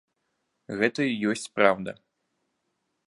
Гэта і ёсць праўда.